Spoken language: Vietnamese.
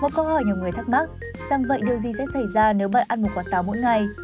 có câu hỏi nhiều người thắc mắc rằng vậy điều gì sẽ xảy ra nếu bạn ăn một quả táo mỗi ngày